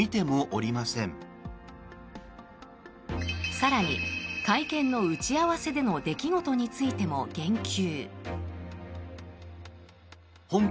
更に、会見の打ち合わせでの出来事についても言及。